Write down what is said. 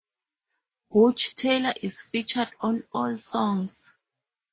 Butch Taylor is featured on all songs.